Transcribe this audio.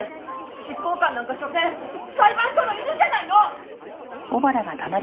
執行官なんかしょせん裁判所の犬じゃないの！